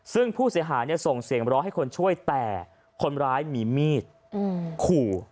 ซึ่งผู้เสียหายส่งเสียงร้องให้คนช่วยแต่คนร้ายมีมีดขู่